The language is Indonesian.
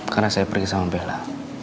karena saya pergi sama bella